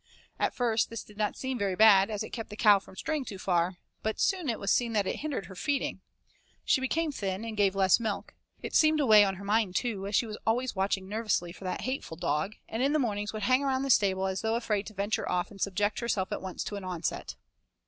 At first this did not seem very bad, as it kept the cow from straying too far; but soon it was seen that it hindered her feeding. She became thin and gave less milk; it seemed to weigh on her mind too, as she was always watching nervously for that hateful dog, and in the mornings would hang around the stable as though afraid to venture off and subject herself at once to an onset.